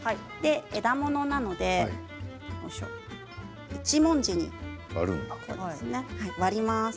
枝ものなので、一文字に割ります。